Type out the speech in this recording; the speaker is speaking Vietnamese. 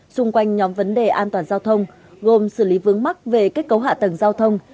xung quanh nhóm vấn đề an toàn giao thông gồm xử lý vướng mắc về kết cấu hạ tầng giao thông